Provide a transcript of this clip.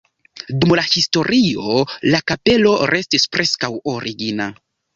Dum la historio la kapelo restis preskaŭ origina.